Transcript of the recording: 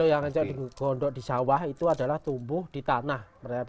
iya kalau yang ece gondok di sawah itu adalah tumbuh di tanah